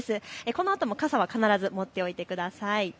このあとも傘は必ず持っておいてください。